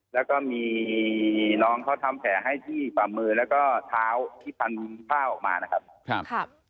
แล้วก็มีน้องเขาทำแผลให้ที่ฝ่ามือแล้วก็เท้าที่พันผ้าออกมานะครับ